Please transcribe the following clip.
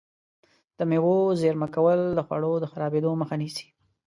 د مېوو زېرمه کول د خوړو د خرابېدو مخه نیسي.